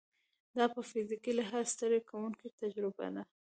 دا په فزیکي لحاظ ستړې کوونکې تجربه ده.